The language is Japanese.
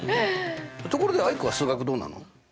ところでアイクは数学どうなの？